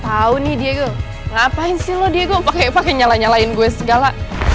tau nih diego ngapain sih lo diego pake pake nyalah nyalahin gue segala